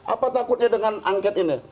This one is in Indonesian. apa takutnya dengan angket ini